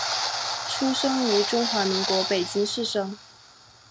出生于中华民国北京市生。